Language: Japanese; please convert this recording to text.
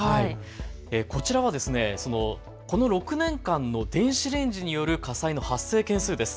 こちらはこの６年間の電子レンジによる火災の発生件数です。